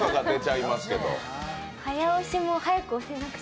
早押しも早く押せなくて。